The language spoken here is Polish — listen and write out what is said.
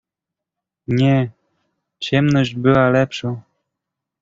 "Nie, ciemność była lepszą."